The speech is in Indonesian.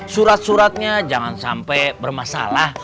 surat suratnya jangan sampai bermasalah